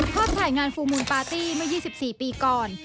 ถ่ายงานฟูลมูลปาร์ตี้เมื่อ๒๔ปีก่อน